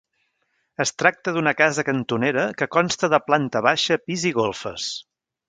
Es tracta d'una casa cantonera que consta de planta baixa, pis i golfes.